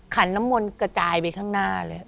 ขันน้ำมนต์กระจายไปข้างหน้าเลย